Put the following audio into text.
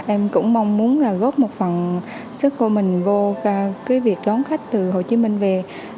em cũng mong muốn là góp một phần sức của mình vô cái việc đón khách từ hồ chí minh về